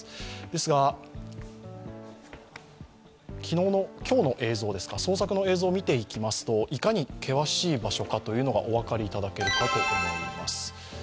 ですが、今日の捜索の影像を見ていきますと、いかに険しい場所かというのがお分かりいただけるかと思います。